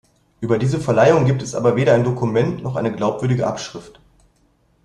Über diese Verleihung gibt es aber weder ein Dokument noch eine glaubwürdige Abschrift.